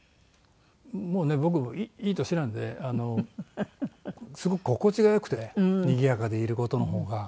もうね僕いい年なのですごく心地が良くてにぎやかでいる事の方が。